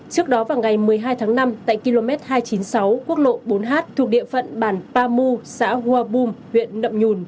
trước đó vào ngày một mươi hai tháng năm tại km hai trăm chín mươi sáu quốc lộ bốn h thuộc địa phận bản paru xã hua bum huyện nậm nhùn